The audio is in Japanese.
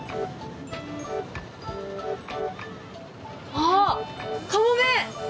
あっカモメ！